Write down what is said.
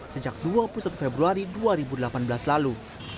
sejak dua puluh satu februari dua ribu delapan belas lalu